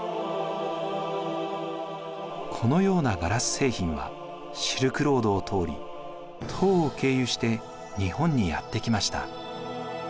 このようなガラス製品はシルクロードを通り唐を経由して日本にやって来ました。